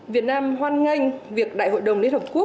việt nam hoan nghênh việc đại hội đồng liên hợp quốc